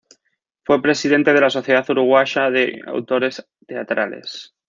Fue presidente de la Sociedad Uruguaya de Autores Teatrales.